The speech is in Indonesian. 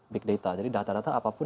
big data jadi data data apapun